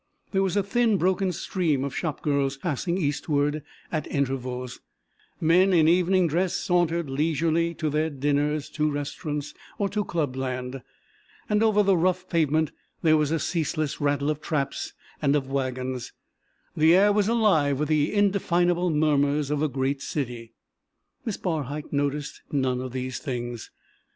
There was a thin broken stream of shop girls passing eastward; at intervals, men in evening dress sauntered leisurely to their dinners, to restaurants, or to clubland, and over the rough pavement there was a ceaseless rattle of traps and of wagons; the air was alive with the indefinable murmurs of a great city. Miss Barhyte noticed none of these things.